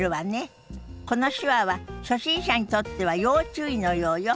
この手話は初心者にとっては要注意のようよ。